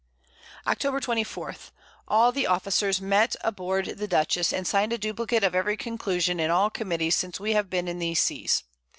Octob. 24. All the Officers met aboard the Dutchess, and sign'd a Duplicate of every Conclusion in all Committees since we have been in these Seas.